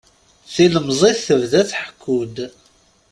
Tilemẓit tebda tḥekku-d.